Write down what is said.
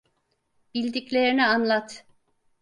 Bildiklerini anlat.